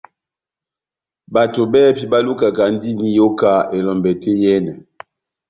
Bato bɛ́hɛ́pi balukakandini iyoka elombɛ tɛ́h yehenɛ.